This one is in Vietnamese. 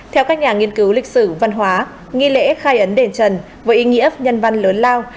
theo các nhà nghiên cứu lịch sử văn hóa nghi lễ khai ấn đền trần với ý nghĩa nhân văn lớn lao